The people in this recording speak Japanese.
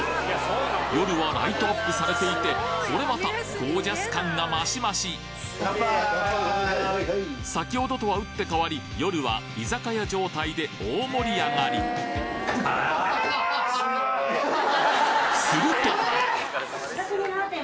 夜はライトアップされていてこれまたゴージャス感がマシマシ先ほどとは打って変わり夜は居酒屋状態で大盛り上がりすると！